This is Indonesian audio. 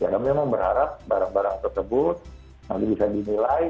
kami memang berharap barang barang tersebut nanti bisa dinilai